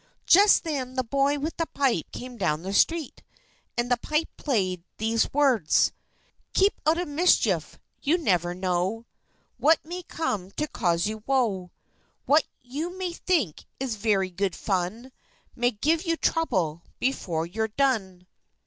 Just then the boy with the pipe came down the street. And the pipe played these words "Keep out of mischief; you never know What may come to cause you woe; What you may think is very good fun, May give you trouble before you've done."